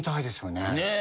ねえ。